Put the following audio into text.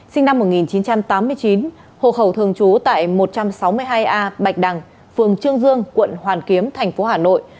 sinh năm một nghìn chín trăm tám mươi chín hộ khẩu thường trú tại một trăm sáu mươi hai a bạch đằng phường trương dương quận hoàn kiếm thành phố hà nội